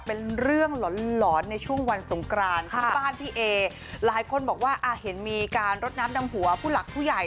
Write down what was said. เป็นเรื่องหลอนหลอนในช่วงวันสงกรานที่บ้านพี่เอหลายคนบอกว่าอ่ะเห็นมีการรดน้ำดำหัวผู้หลักผู้ใหญ่